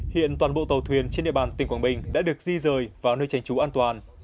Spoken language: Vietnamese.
hiện toàn bộ tàu thuyền trên địa bàn tỉnh quảng bình đã được di rời vào nơi tránh trú an toàn